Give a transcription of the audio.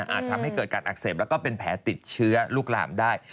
ทำให้เกิดการอักเสบแล้วก็เป็นแผลติดเชื้อลุกหลามได้